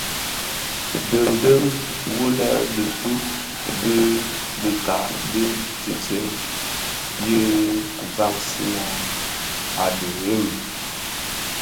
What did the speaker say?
Ndhèňdèn wu lè dhipud bi dikag di tëtsem, ye vansina a dhemi,